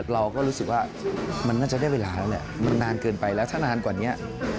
เราก็รู้สึกว่ามันน่าจะได้เวลาแล้วแหละมันนานเกินไปแล้วถ้านานกว่านี้